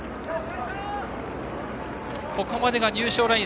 ここまでが入賞ライン。